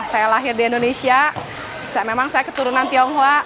saya lahir di indonesia memang saya keturunan tionghoa